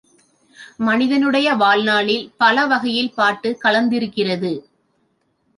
மனிதனுடைய வாழ்நாளில் பல வகையில் பாட்டுக் கலந்திருக்கிறது.